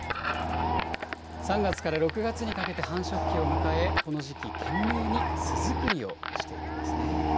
３月から６月にかけて繁殖期を迎え、この時期、懸命に巣作りをしているんですね。